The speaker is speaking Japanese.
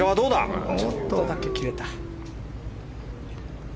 ちょっとだけ切れた。